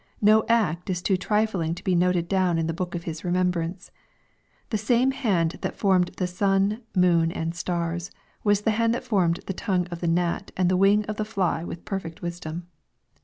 No act is too trifling to be uoied down in the book of His remem brance. The ^mme hand that formed the sun, moon, and stars, was the hand that formed the tongue of the gnat and the wing of the fly with perfect wisdom.